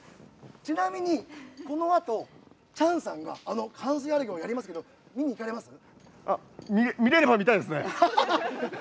ちなみに、このあとチャンさんがあの寒水荒行をやりますけど見れれば見たいですね。